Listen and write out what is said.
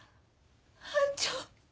班長。